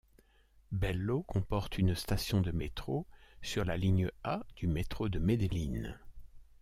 Bello comporte une station de métro sur la ligne A du métro de Medellín.